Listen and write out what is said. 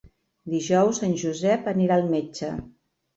Dijous en Josep anirà al metge.